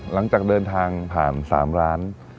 หลังจากเดินทางผ่าน๓ร้าน